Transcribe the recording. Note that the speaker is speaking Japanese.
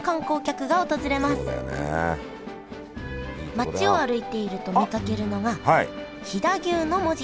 町を歩いていると見かけるのが飛騨牛の文字